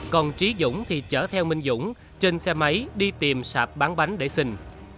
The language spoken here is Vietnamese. còn trí dũng thì chở theo minh dũng trên xe máy đi tìm sạp bán bánh để xin